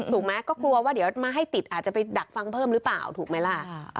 ถูกไหมก็กลัวว่าเดี๋ยวมาให้ติดอาจจะไปดักฟังเพิ่มหรือเปล่าถูกไหมล่ะ